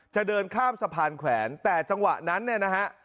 จะเดินข้ามสะพานแขวนแต่จังหวะนั้นเนี่ยนะฮะ